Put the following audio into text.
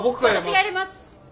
私がやります！